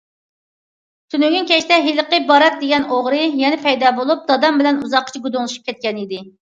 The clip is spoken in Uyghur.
تۈنۈگۈن كەچتە ھېلىقى بارات دېگەن ئوغرى يەنە پەيدا بولۇپ، دادام بىلەن ئۇزاققىچە گۇدۇڭلىشىپ كەتكەنىدى.